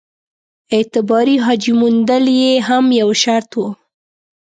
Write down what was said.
اعتباري حاجي موندل یې هم یو شرط وو.